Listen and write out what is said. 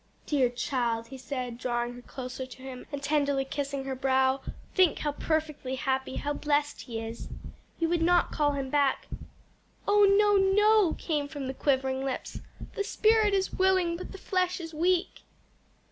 "Dear child," he said, drawing her closer to him, and tenderly kissing her brow, "think how perfectly happy, how blest he is. You would not call him back?" "Oh no, no!" came from the quivering lips. "'The spirit is willing, but the flesh is weak!'"